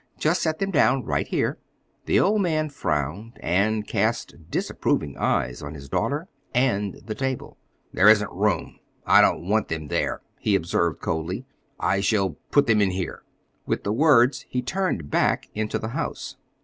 "Just set them down right here." The old man frowned and cast disapproving eyes on his daughter and the table. "There isn't room. I don't want them there," he observed coldly. "I shall put them in here." With the words he turned back into the house.